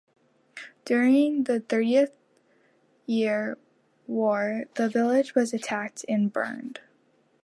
During the Thirty Years War the village was attacked and burned.